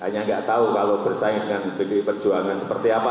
hanya nggak tahu kalau bersaing dengan pdi perjuangan seperti apa